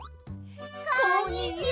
こんにちは！